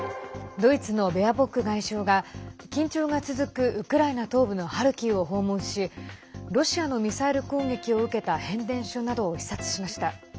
ドイツのベアボック外相が緊張が続くウクライナ東部のハルキウを訪問しロシアのミサイル攻撃を受けた変電所などを視察しました。